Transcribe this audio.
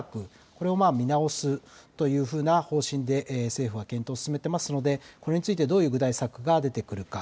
これを見直すというふうな方針で政府は検討を進めていますのでこれについて、どういう具体策が出てくるか。